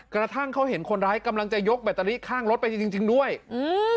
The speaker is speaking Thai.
กระทั่งเขาเห็นคนร้ายกำลังจะยกแบตเตอรี่ข้างรถไปจริงจริงด้วยอืม